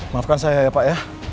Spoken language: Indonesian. maafkan saya ya pak